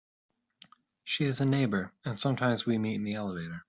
She is a neighbour, and sometimes we meet in the elevator.